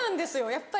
やっぱり。